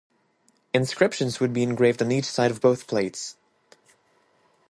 Inscriptions would be engraved on each side of both plates.